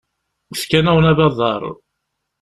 Fkan-awen abadaṛ.